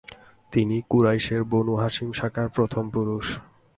তিনি কুরাইশের Banu Hashim শাখার প্রথম পুরুষ।